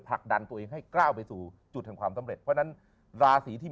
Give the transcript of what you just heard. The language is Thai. ผลักดันตัวเองให้ก้าวไปสู่จุดแห่งความสำเร็จเพราะฉะนั้นราศีที่มี